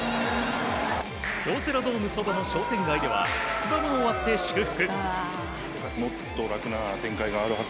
京セラドーム傍の商店街ではくす玉を割って祝福。